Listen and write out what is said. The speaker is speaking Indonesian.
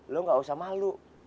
lo gak usah malu